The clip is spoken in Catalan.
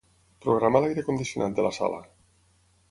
Programa l'aire condicionat de la sala.